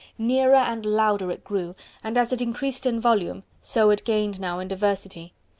Nearer and louder it grew, and as it increased in volume, so it gained now in diversity.